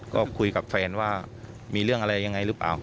ก็คุยกับแฟนว่ามีเรื่องอะไรยังไงหรือเปล่า